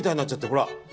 ほら。